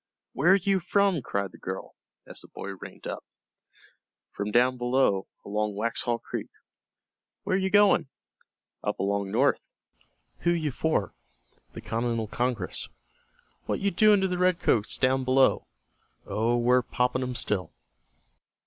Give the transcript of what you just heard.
"Where you from?" cried the girl, as the boy reined up. "From down below, along Waxhaw Creek." "Where you going?" "Up along north." "Who you for?" "The Continental Congress." "What you doing to the Redcoats down below?" "Oh, we're poppin' 'em still."